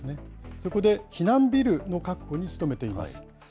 そこで避難ビルの確保に努めています。